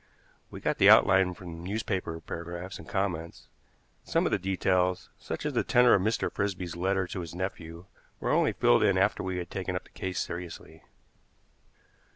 We got the outline from newspaper paragraphs and comments; but some of the details, such as the tenor of Mr. Frisby's letter to his nephew, were only filled in after we had taken up the case seriously.